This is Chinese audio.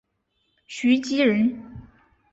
徐积人。